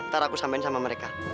ntar aku sampein sama mereka